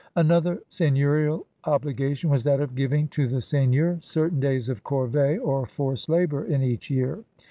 Another seigneiirial obligation was that of giving to the seigneur certain days of corvie, or forced labor, in each year.